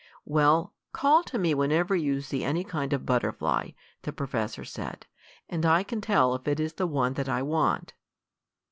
"Well, call to me whenever you see any kind of butterfly," the professor said, "and I can tell if it is one that I want."